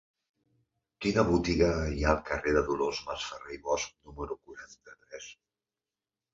Quina botiga hi ha al carrer de Dolors Masferrer i Bosch número quaranta-tres?